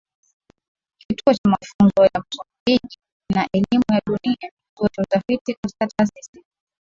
kituo cha mafunzo ya Msumbiji na elimu ya dunia kituo cha utafiti katika taasisi